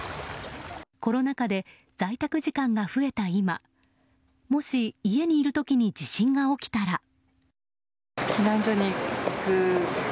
コロナ禍で在宅時間が増えた今もし家にいる時に地震が起きたら。